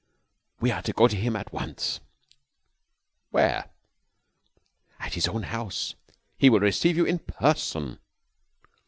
We are to go to him at once." "Where?" "At his own house. He will receive you in person."